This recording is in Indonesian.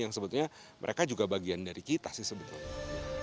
yang sebetulnya mereka juga bagian dari kita sih sebetulnya